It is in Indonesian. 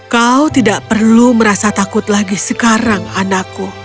kau tidak perlu merasa takut lagi sekarang anakku